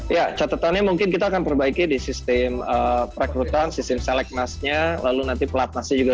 ya catatannya mungkin kita akan perbaiki di sistem rekrutan sistem select mass nya lalu nanti plat mass nya juga